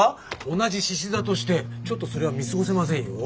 同じしし座としてちょっとそれは見過ごせませんよ。